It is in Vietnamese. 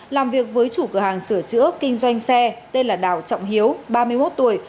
làm việc với chủ cửa hàng sửa chữa kinh doanh xe tên là đào trọng hiếu ba mươi một tuổi